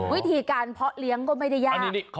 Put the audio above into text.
วิธีการเพาะเลี้ยงก็ไม่ได้ยาก